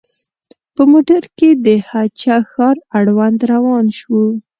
په موټر کې د هه چه ښار اړوند روان شوو.